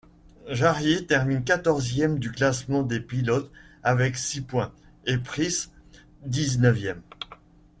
Jarier termine quatorzième du classement des pilotes avec six points et Pryce dix-neuvième.